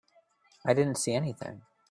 I didn't see anything.